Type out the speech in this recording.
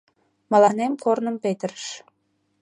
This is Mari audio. Мыланем корным петырыш...